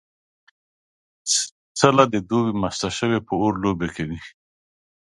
څیله د دوبي مسته شوې په اور لوبې کوي